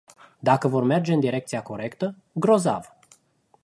Dacă vor merge în direcția corectă, grozav.